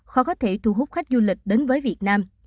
khó có thể thu hút khách du lịch đến với việt nam